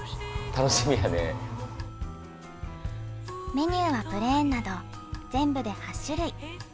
メニューは、プレーンなど全部で８種類。